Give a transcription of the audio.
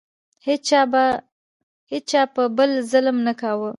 هیچا په بل ظلم نه کاوه.